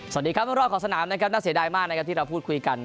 สวัสดีครับทุกคนรอบขอสนานนะครับน่าเสด็จมากที่เราพูดคุยกัน